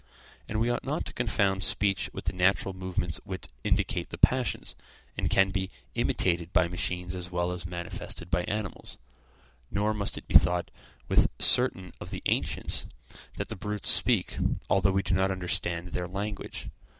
And we ought not to confound speech with the natural movements which indicate the passions, and can be imitated by machines as well as manifested by animals; nor must it be thought with certain of the ancients, that the brutes speak, although we do not understand their language.